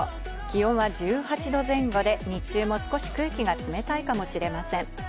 気温は１８度前後で日中も少し空気が冷たいかもしれません。